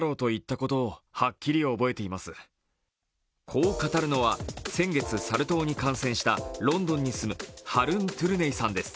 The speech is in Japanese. こう語るのは先月、サル痘に感染したロンドンに住むハルン・トゥルネイさんです。